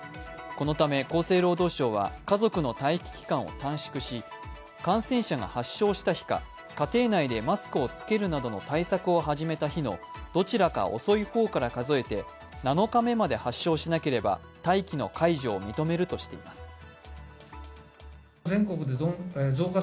このため厚生労働省は家族の待機期間を短縮し、感染者が発症した日か家庭内でマスクを着けるなどの対策を始めた日の、どちらか遅い方から数えて７日目まで発症しなければ待機の解除を認めるとしています。